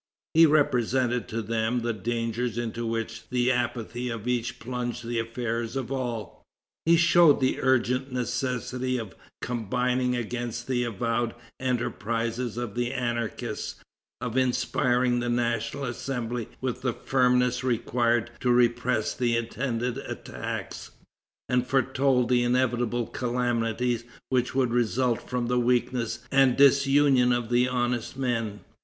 He represented to them the dangers into which the apathy of each plunged the affairs of all; he showed the urgent necessity of combining against the avowed enterprises of the anarchists, of inspiring the National Assembly with the firmness required to repress the intended attacks, and foretold the inevitable calamities which would result from the weakness and disunion of honest men.